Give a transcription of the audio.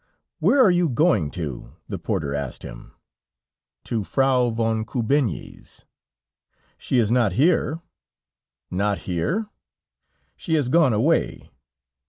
"Where are you going to?" the porter asked him. "To Frau von Kubinyi's." "She is not here." "Not here?" "She has gone away."